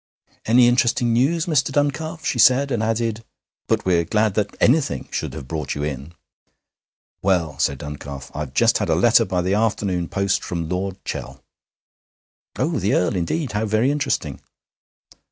'Any interesting news, Mr. Duncalf?' she said, and added: 'But we're glad that anything should have brought you in.' 'Well,' said Duncalf, 'I've just had a letter by the afternoon post from Lord Chell.' 'Oh, the Earl! Indeed; how very interesting.'